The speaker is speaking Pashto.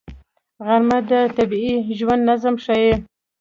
غرمه د طبیعي ژوند نظم ښيي